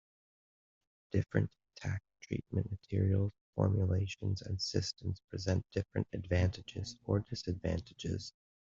Different tack treatment materials, formulations and systems present different advantages or disadvantages.